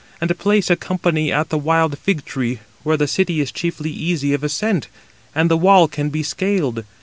And place a company at the wild fig tree, where the city is chiefly easy of ascent, and the wall can be scaled.